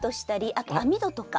あと網戸とか。